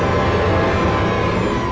aku akan menang